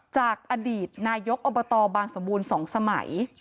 จากอดีตนายกอบตบางสมบูรณ์๒สมัย